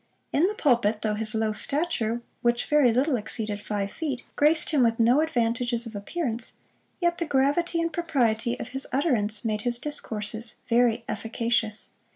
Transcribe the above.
In the pulpit, though his low stature, which very little exceeded five feet, graced him with no advantages of appearance, yet the gravity and propriety of his utterance made his discourses very efficacious.